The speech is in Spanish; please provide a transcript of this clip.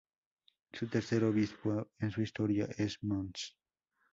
Su tercer obispo en su historia es Mons.